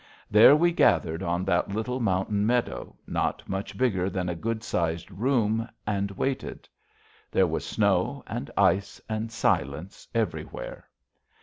There we gathered on that little mountain meadow, not much bigger than a good sized room, and waited. There was snow and ice and silence everywhere.